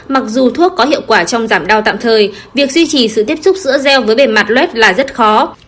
mặc dù thuốc có hiệu quả trong giảm đau tạm thời việc duy trì sự tiếp xúc giữa gel với bề mặt log là rất khó